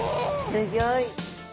すギョい！